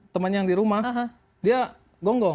teman yang di rumah dia gonggong